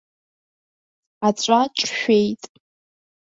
Аҵәа ҿшәеит.